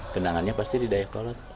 kenangannya pasti di dayakolot